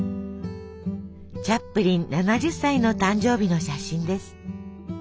チャップリン７０歳の誕生日の写真です。